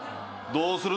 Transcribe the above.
どうする？